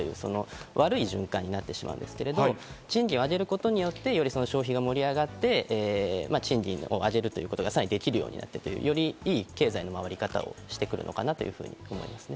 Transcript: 悪い循環になってしまうんですけど、賃金を上げることによって消費が盛り上がって、賃金を上げるということができて、より良い経済の回り方をしていくのかなと、考えています。